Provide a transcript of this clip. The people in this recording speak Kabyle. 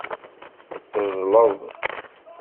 Teẓẓleḍ.